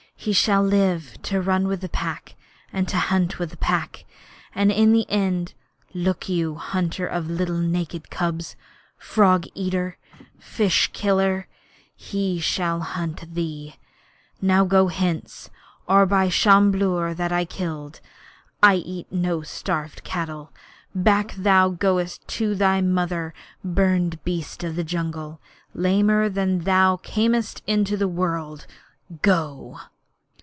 He shall live to run with the Pack and to hunt with the Pack; and in the end, look you, hunter of little naked cubs frog eater fish killer he shall hunt thee! Now get hence, or by the Sambhur that I killed (I eat no starved cattle), back thou goest to thy mother, burned beast of the jungle, lamer than ever thou earnest into the world! Go!'